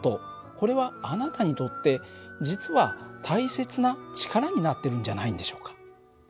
これはあなたにとって実は大切な力になってるんじゃないんでしょうか。